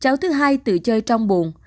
cháu thứ hai tự chơi trong buồn